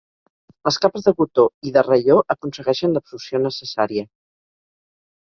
Les capes de cotó i de raió aconsegueixen l'absorció necessària.